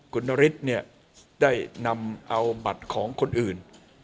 คุณนฤทธิ์เนี่ยได้นำเอาบัตรของคนอื่น